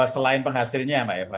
selain penghasilnya mbak eva